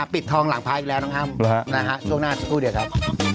ปิดทองหลังภายอีกแล้วน้องคามช่วงหน้าจะพูดเดี๋ยวครับ